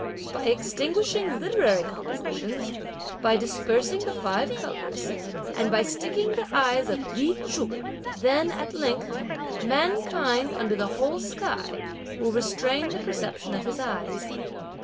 By extinguishing literary compositions, by dispersing the five colours and by sticking the eyes of Li Chu, then, at length, mankind under the whole sky, will restrain the perception of his eyes.